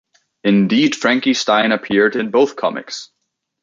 Indeed Frankie Stein appeared in both comics.